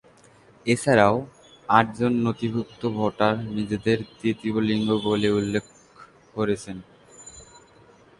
এছাড়াও আটজন নথিভূক্ত ভোটার নিজেদের তৃতীয় লিঙ্গ বলে উল্লেখ করেছেন।